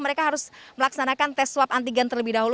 mereka harus melaksanakan tes swab antigen terlebih dahulu